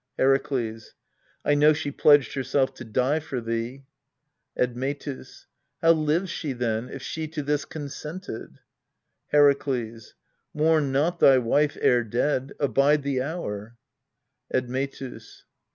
Herakles. I know she pledged herself to die for thee. Admetus. How lives she then, if she to this consented ? Herakles. Mourn not thy wife ere dead : abide the hour. Admetus.